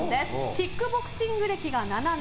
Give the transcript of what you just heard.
キックボクシング歴が７年。